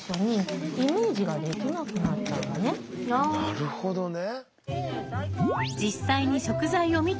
なるほどね。